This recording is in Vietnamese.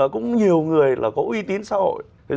cũng nhiều người là có uy tín xã hội